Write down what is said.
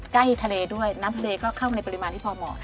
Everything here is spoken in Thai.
ใกล้ทะเลด้วยน้ำทะเลก็เข้าในปริมาณที่พอเหมาะ